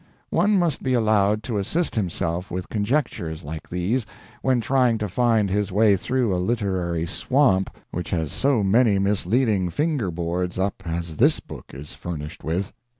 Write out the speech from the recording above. One must be allowed to assist himself with conjectures like these when trying to find his way through a literary swamp which has so many misleading finger boards up as this book is furnished with.